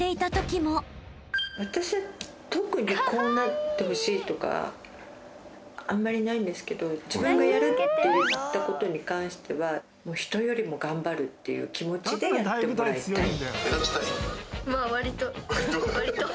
私は特にこうなってほしいとかあんまりないんですけど自分がやるって言ったことに関しては人よりも頑張るっていう気持ちでやってもらいたい。